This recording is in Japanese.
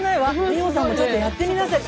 美穂さんもちょっとやってみなさい。